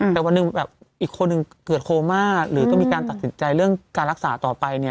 แต่วันหนึ่งแบบอีกคนหนึ่งเกิดโคม่าหรือก็มีการตัดสินใจเรื่องการรักษาต่อไปเนี่ย